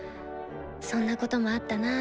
「そんなこともあったなぁ」